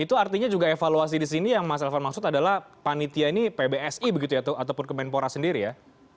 itu artinya juga evaluasi di sini yang mas elvan maksud adalah panitia ini pbsi begitu ya ataupun kemenpora sendiri ya